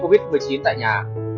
covid một mươi chín tại nhà